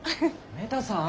メタさん。